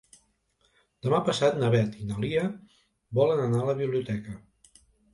Demà passat na Beth i na Lia volen anar a la biblioteca.